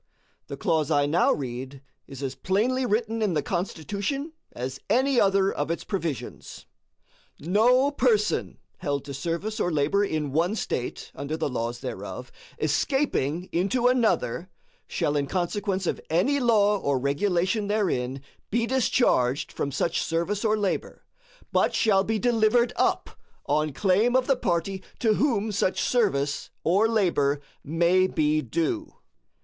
The clause I now read is as plainly written in the Constitution as any other of its provisions: "No person held to service or labor in one State, under the laws thereof, escaping into another, shall in consequence of any law or regulation therein be discharged from such service or labor, but shall be delivered up on claim of the party to whom such service or labor may be due."